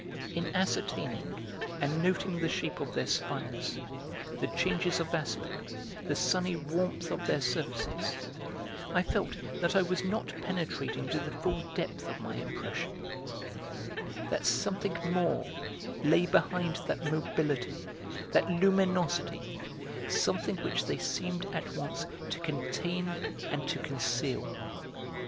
In ascertaining and noting the shape of their spires, the changes of aspect, the sunny warmth of their surfaces, I felt that I was not penetrating to the full depth of my impression, that something more lay behind that mobility, that luminosity, something which they seemed at once to contain and to conceal.